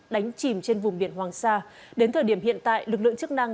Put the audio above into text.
đánh chìm trên vùng biển hoàng sa đến thời điểm hiện tại lực lượng chức năng